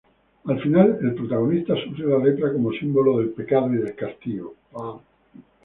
Al final el protagonista sufre la lepra como símbolo del pecado y del castigo.